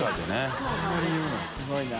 すごいな。